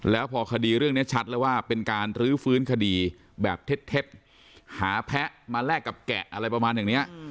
แล้วพอคดีเรื่องนี้ชัดแล้วว่าเป็นการรื้อฟื้นคดีแบบเท็จหาแพ้มาแลกกับแกะอะไรประมาณอย่างนี้